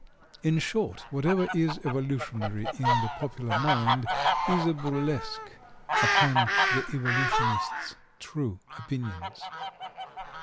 In short, whatever is evolutionary in the popular mind, is a burlesque upon the evolutionist's true opinions.